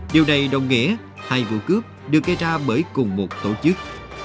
điều này đồng nghĩa hai vụ cướp được gây ra bởi cùng một tổ chức